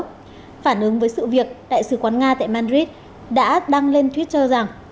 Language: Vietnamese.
phản ứng với sự việc đại sứ quán nga tại madrid đã đăng lên twitter rằng